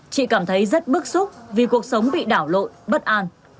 chị cảm thấy rất bức xúc vì cuộc sống bị đảo lộn bất an